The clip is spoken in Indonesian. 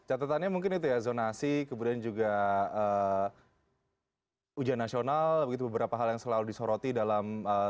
catatannya mungkin itu ya zonasi kemudian juga ujian nasional begitu beberapa hal yang selalu disoroti dalam